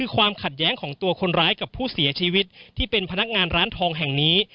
ความขัดแย้งของตัวคนร้ายกับผู้เสียชีวิตที่เป็นพนักงานร้านทองแห่งนี้